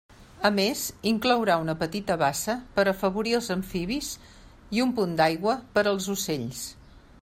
A més, inclourà una petita bassa per afavorir els amfibis i un punt d'aigua per als ocells.